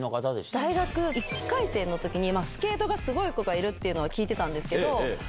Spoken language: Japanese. １回生の時スケートすごい子がいるって聞いてたんですけど。